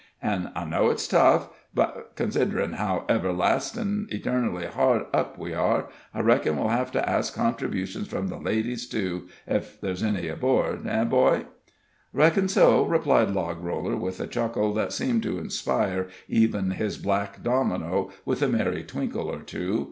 An' I know it's tough but consid'rin' how everlastin' eternally hard up we are, I reckon we'll have to ask contributions from the ladies, too, ef ther's any aboard eh, boy?" "Reckon so," replied Logroller, with a chuckle that seemed to inspire even his black domino with a merry wrinkle or two.